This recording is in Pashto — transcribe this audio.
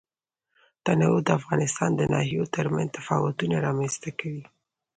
تنوع د افغانستان د ناحیو ترمنځ تفاوتونه رامنځ ته کوي.